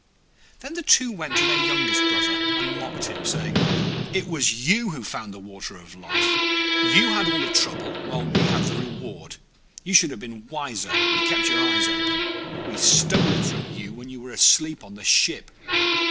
Then the two went to their youngest brother, and mocked him, saying, 'It was you who found the Water of Life; you had all the trouble, while we have the reward. You should have been wiser, and kept your eyes open; we stole it from you while you were asleep on the ship.